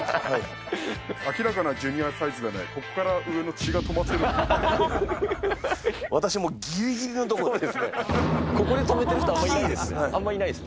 明らかなジュニアサイズでね、ここから上の血が止まってるんで。